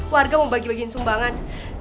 warga mau bagi bagian sumbangan